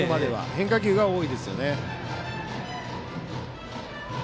変化球が多いですね。